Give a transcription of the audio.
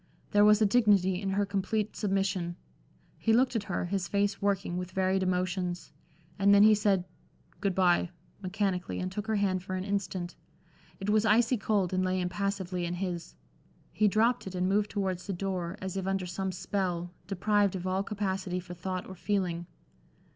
There was a dignity in her complete submission. He looked at her, his face working with varied emotions; and then he said "Good bye" mechanically and took her hand for an instant. It was icy cold and lay impassively in his. He dropped it and moved towards the door, as if under some spell, deprived of all capacity for thought or feeling.